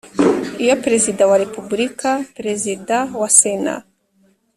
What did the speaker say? Iyo Perezida wa Repubulika Perezida wa Sena